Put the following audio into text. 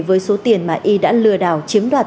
với số tiền mà y đã lừa đảo chiếm đoạt